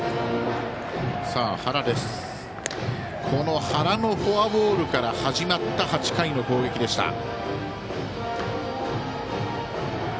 この原のフォアボールから始まった８回の攻撃でした。